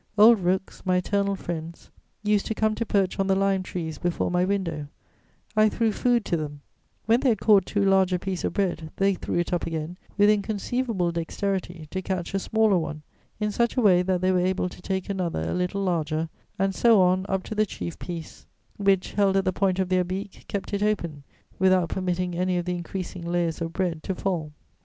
Old rooks, my eternal friends, used to come to perch on the lime trees before my window; I threw food to them: when they had caught too large a piece of bread, they threw it up again with inconceivable dexterity to catch a smaller one, in such a way that they were able to take another a little larger, and so on up to the chief piece, which, held at the point of their beak, kept it open, without permitting any of the increasing layers of bread to fall.